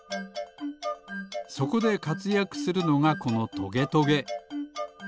そこでかつやくするのがこのトゲトゲ。